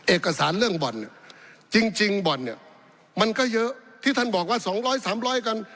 เอกสารเรื่องบ่อนเนี่ยจริงบ่อนเนี่ยมันก็เยอะที่ท่านบอกว่าสองร้อยสามร้อยกัน